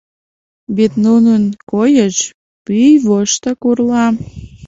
Вет нунын койыш пӱй воштак урла.